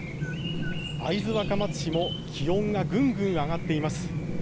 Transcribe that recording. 会津若松市も気温がぐんぐん上がっています。